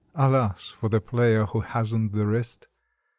(Alas! for the player who hasn't the wrist!)